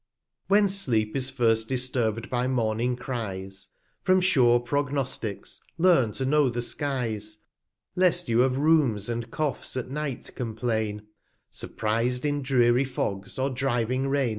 1 20 When Sleep is first disturbed by Morning Cries ; From sure Prognosticks learn to know the Skies, Lest you of Rheums and Coughs at Night complain; Surpriz'd in dreary Fogs, or driving Rain.